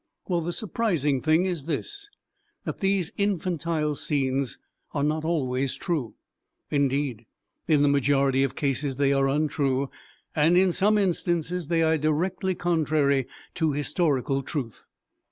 Well, the surprising thing is this, that these infantile scenes are not always true. Indeed, in the majority of cases they are untrue, and in some instances they are directly contrary to historical truth.